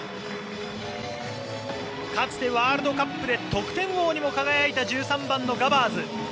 かつてワールドカップで得点王にも輝いた１３番のガバーズ。